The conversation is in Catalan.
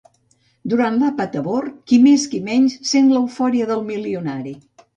Durant l'àpat a bord, qui més qui menys sent l'eufòria del milionari.